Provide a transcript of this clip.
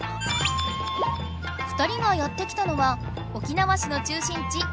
２人がやって来たのは沖縄市の中心地コザ。